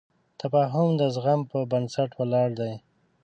تفاهم د زغم په بنسټ ولاړ دی.